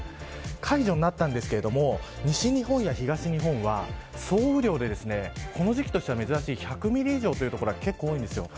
解除になったんですけれども西日本や東日本は総雨量でこの時期としては珍しい１００ミリ以上の所が結構多いんです。